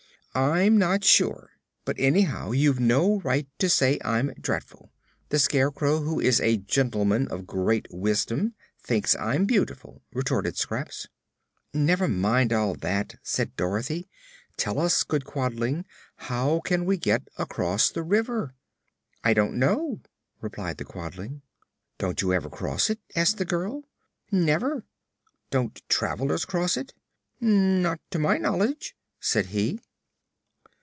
"I'm not sure; but anyhow you've no right to say I'm dreadful. The Scarecrow, who is a gentleman of great wisdom, thinks I'm beautiful," retorted Scraps. "Never mind all that," said Dorothy. "Tell us, good Quadling, how we can get across the river." "I don't know," replied the Quadling. "Don't you ever cross it?" asked the girl. "Never." "Don't travelers cross it?" "Not to my knowledge," said he.